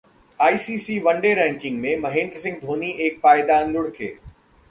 ICC one day ranking में महेंद्र सिंह धोनी एक पायदान लुढ़के